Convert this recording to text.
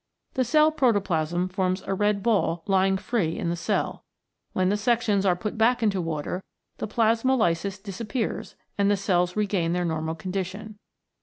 The cell protoplasm forms a red ball lying free in the cell. When the sections are put back into water, the plasmolysis disappears and the cells regain their normal condition.